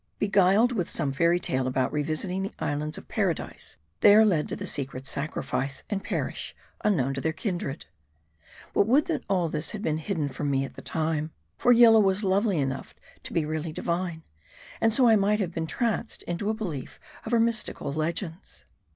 Beguiled with some fairy tale about revisiting the islands of Paradise, they are led to the secret sacrifice, and perish unknown to their kindred. But, would that all this had been hidden from me at the time. For Yillah was lovely enough to be really divine ; and so I might have been tranced into a belief of her mystical legends.